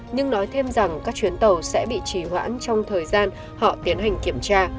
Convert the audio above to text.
nhưng nói thêm rằng các chuyến tàu sẽ bị trì hoãn trong thời gian họ tiến hành kiểm tra